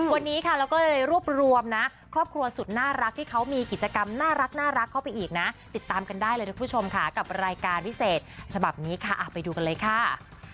วันนี้ค่ะเราก็เลยรวบรวมนะครอบครัวสุดน่ารักที่เขามีกิจกรรมน่ารักเข้าไปอีกนะติดตามกันได้เลยทุกผู้ชมค่ะกับรายการพิเศษฉบับนี้ค่ะไปดูกันเลยค่ะ